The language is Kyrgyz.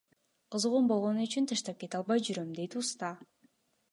Кызыгуум болгону үчүн таштап кете албай жүрөм, — дейт уста.